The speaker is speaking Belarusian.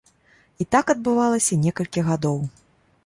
І так адбывалася некалькі гадоў.